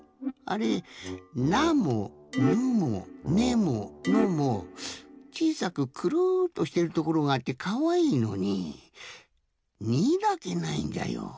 あれ「な」も「ぬ」も「ね」も「の」もちいさくくるっとしてるところがあってかわいいのに「に」だけないんじゃよ。